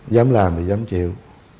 dám làm thì dám chịu